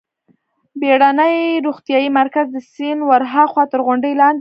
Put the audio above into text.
بېړنی روغتیايي مرکز د سیند ورهاخوا تر غونډۍ لاندې و.